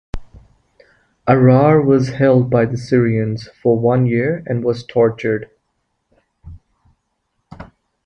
Arar was held by the Syrians for one year and was tortured.